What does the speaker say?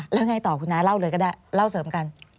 แล้วไงต่อคุณน้าเล่าเลยก็ได้เล่าเสริมกัน